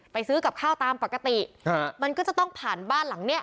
ซื้อกับข้าวตามปกติฮะมันก็จะต้องผ่านบ้านหลังเนี้ย